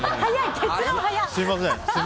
すみません。